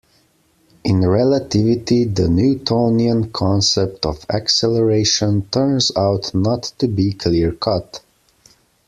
In relativity, the Newtonian concept of acceleration turns out not to be clear cut.